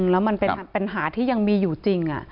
แล้วมันเป็นปัญหาที่ยังมีอยู่จริง